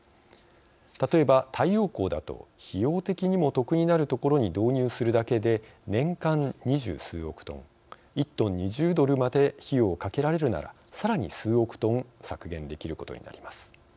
例えば、太陽光だと、費用的にも得になるところに導入するだけで年間２０数億トン１トン、２０ドルまで費用をかけられるならさらに数億トン削減できることになります。